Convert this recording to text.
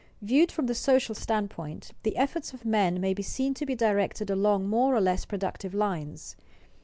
Viewed from the social standpoint, the efforts of men may be seen to be directed along more or less productive lines.